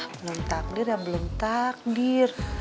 belum takdir ya belum takdir